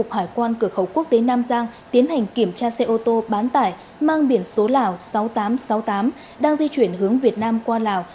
hải quan cửa khẩu quốc tế nam giang tiến hành kiểm tra xe ô tô bán tải mang biển số lào sáu nghìn tám trăm sáu mươi tám đang di chuyển hướng việt nam qua lào